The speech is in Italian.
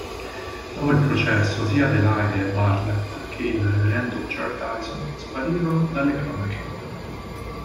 Dopo il processo sia Adelaide Bartlett che il reverendo George Dyson sparirono dalle cronache.